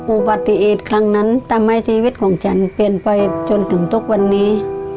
อุบัติเหตุครั้งนั้นทำให้ชีวิตของฉันเปลี่ยนไปจนถึงทุกวันนี้